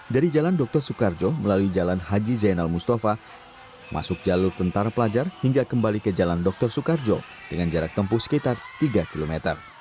dari jalan dr soekarjo melalui jalan haji zainal mustafa masuk jalur tentara pelajar hingga kembali ke jalan dr soekarjo dengan jarak tempuh sekitar tiga km